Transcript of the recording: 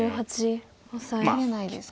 切れないですか。